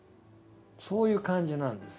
そういう感じなんです。